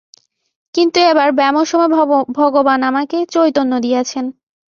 কিন্তু এবার ব্যামোর সময় ভগবান আমাকে চৈতন্য দিয়াছেন।